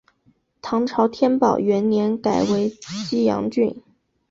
唐朝天宝元年改为济阳郡。